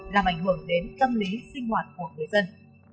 làm ảnh hưởng đến tâm lý sinh hoạt của người dân